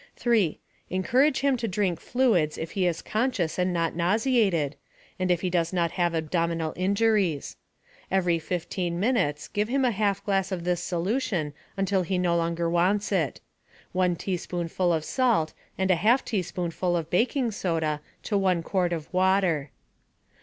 3. Encourage him to drink fluids if he is conscious and not nauseated, and if he does not have abdominal injuries. Every 15 minutes give him a half glass of this solution until he no longer wants it: One teaspoonful of salt and a half teaspoonful of baking soda to one quart of water.